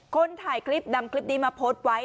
คนถ่ายคลิปนำคลิปนี้มาโพสต์ไว้